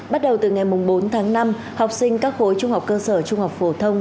bắt đầu từ ngày bốn tháng năm học sinh các khối trung học cơ sở trung học phổ thông